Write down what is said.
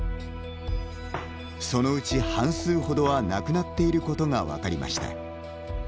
そのうち半数ほどは亡くなっていることが分かりました。